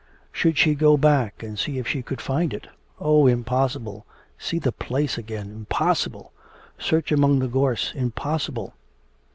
Should she go back and see if she could find it? Oh! impossible! see the place again impossible! search among the gorse impossible!